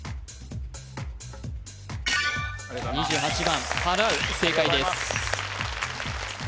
２８番はらう正解です